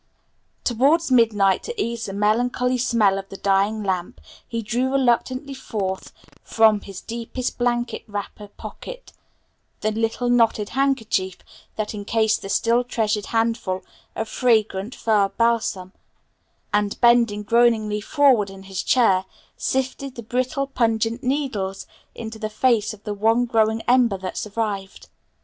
Towards midnight, to ease the melancholy smell of the dying lamp, he drew reluctantly forth from his deepest blanket wrapper pocket the little knotted handkerchief that encased the still treasured handful of fragrant fir balsam, and bending groaningly forward in his chair sifted the brittle, pungent needles into the face of the one glowing ember that survived.